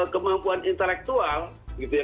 kemampuan intelektual gitu ya